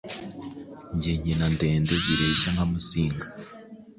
Njye nkina ndende zireshya nka Musinga